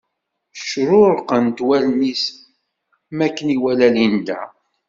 Cruṛqent wallen-is makken iwala Linda.